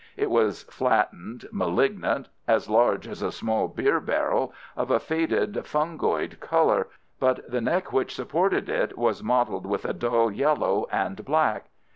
It was flattened, malignant, as large as a small beer barrel, of a faded fungoid colour, but the neck which supported it was mottled with a dull yellow and black.